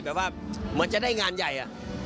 แบบว่าเหมือนจะได้งานใหญ่อะ